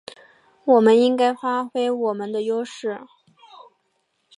我们应该发挥我们的优势